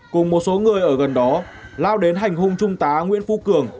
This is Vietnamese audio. cùng một số người ở gần đó lao đến hành hung trung tá nguyễn phu cường